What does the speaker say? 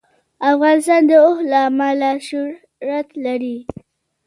افغانستان د اوښ له امله شهرت لري.